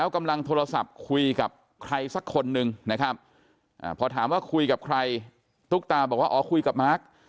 ใครสักคนหนึ่งนะครับพอถามว่าคุยกับใครตุ๊กตาบอกว่าอ๋อคุยกับมาร์ค